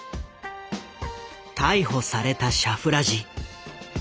逮捕されたシャフラジ。